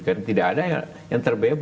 karena tidak ada yang terbebas itu